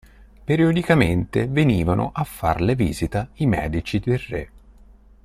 Periodicamente venivano a farle visita i medici del re.